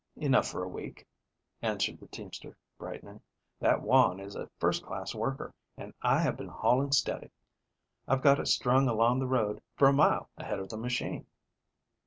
"Enough for a week," answered the teamster, brightening. "That Juan is a first class worker, and I have been hauling steady. I've got it strung along the road for a mile ahead of the machine."